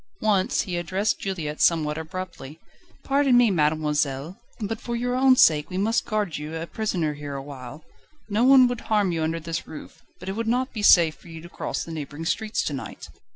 Once he addressed Juliette somewhat abruptly: "Pardon me, mademoiselle, but for your own sake we must guard you a prisoner here awhile. No one would harm you under this roof, but it would not be safe for you to cross the neighbouring streets to night."